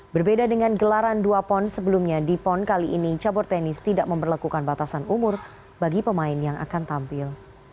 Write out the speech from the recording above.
berbeda dengan gelaran dua pon sebelumnya di pon kali ini cabur tenis tidak memperlakukan batasan umur bagi pemain yang akan tampil